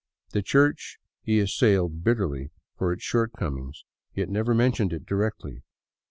The Church he assailed bitterly for its shortcomings, yet never mentioned it directly.